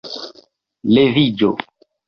Leviĝo!